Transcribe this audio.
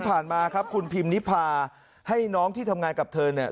มาครับคุณพิมนิพาให้น้องที่ทำงานกับเธอเนี่ย